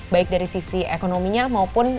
baik dari sisi ekonominya maupun